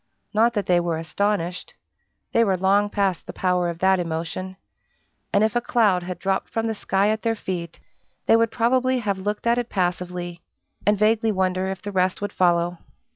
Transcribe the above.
Not that they were astonished they were long past the power of that emotion: and if a cloud had dropped from the sky at their feet, they would probably have looked at it passively, and vaguely wonder if the rest would follow.